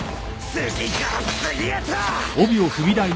次から次へと！